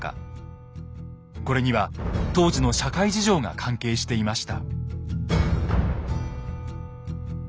これには当時の社会事情が関係していました。